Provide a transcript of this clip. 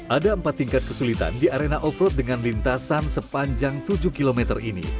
ada empat tingkat kesulitan di arena off road dengan lintasan sepanjang tujuh km ini